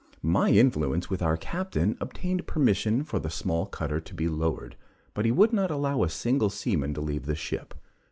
My influence with our captain obtained permission for the small cutter to be lowered, but he would not allow a single seaman to leave the ship.